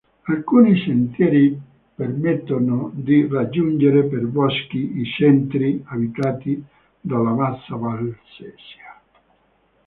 Alcuni sentieri permettono di raggiungere per boschi i centri abitati della bassa Valsesia.